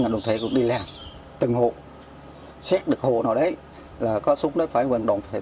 đồng thể cũng đi làm từng hộ xét được hộ nào đấy là có súng đấy phải vận động